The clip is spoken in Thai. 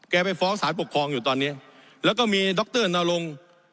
แกไปฟ้องศาสตร์ปกครองอยู่ตอนนี้แล้วก็มีดรนารง